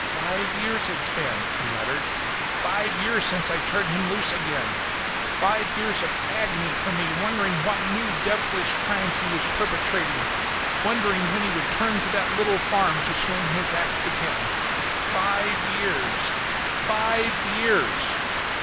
"Five years it's been," he muttered. "Five years since I turned him loose again. Five years of agony for me, wondering what new devilish crimes he was perpetrating, wondering when he would return to that little farm to swing his ax again. Five years—five years."